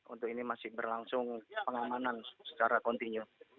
untuk ini masih berlangsung pengamanan secara kontinu